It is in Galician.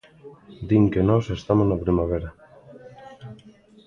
Din que nós estamos na primavera.